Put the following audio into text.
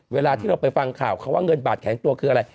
เวลาที่เราไปฟังข่าวเขาว่าเงินบาทแข็งตัวคืออะไร